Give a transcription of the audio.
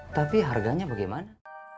tapi harganya bagaimana